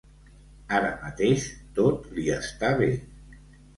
Ara mateix tot li està bé.